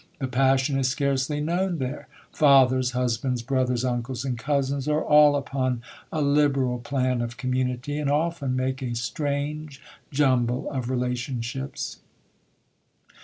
The passion is scarcely known there. Fathers, husbands, brothers, uncles, and cousins, are all upon a liberal plan of community, and often make a s .range jumble of relationships.